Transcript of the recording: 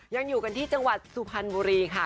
ยังอยู่กันที่จังหวัดสุพรรณบุรีค่ะ